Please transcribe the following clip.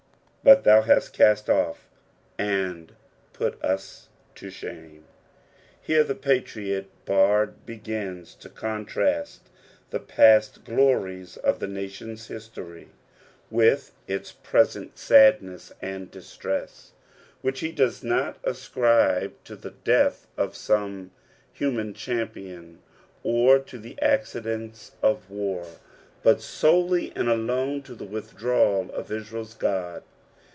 "But thou ha*t eait off, and pitt v» to thame." Here the patriot bard begini to coDtratt the past glories of the nation's history with its present aadness and distress ; which he does not ascribe to the death of some human champion, or to the accidents of war, but solely and alone to the withdrawal of Israel's Ood.